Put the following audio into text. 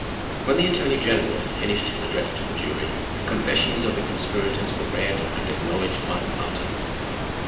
When the attorney general had finished his address to the jury, the confessions of the conspirators were read, and acknowledged by the parties.